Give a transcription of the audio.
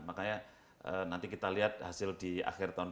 makanya nanti kita lihat hasil di akhir tahun dua ribu dua puluh dua